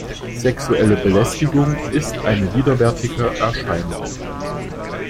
Sexuelle Belästigung ist eine widerwärtige Erscheinung.